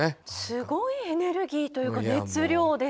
すごいエネルギーというか熱量でしたよね。